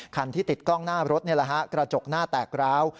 คันที่ติดกล้องหน้ารถนี่แหละฮะกระจกหน้าแตกร้าว